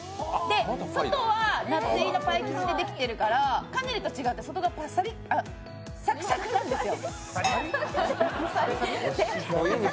外はナッツ入りのパイ生地でできてるからカヌレと違って外がサクサクなんですよ。